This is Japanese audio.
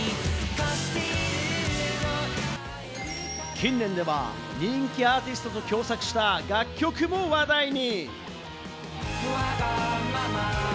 近年では人気アーティストと共作した楽曲も話題に。